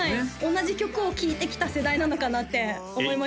同じ曲を聴いてきた世代なのかなって思いました